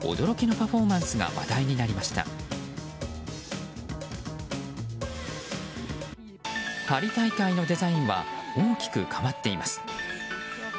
パリ大会のデザインは大きく変わっています。